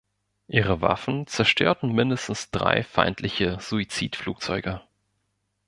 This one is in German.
Ihre Waffen zerstörten mindestens drei feindliche Suizid-Flugzeuge.